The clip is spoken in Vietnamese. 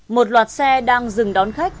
một loạt xe đang dừng đón khách